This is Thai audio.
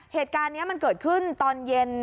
เหตุการณ์นี้มันเกิดขึ้นตอนเย็น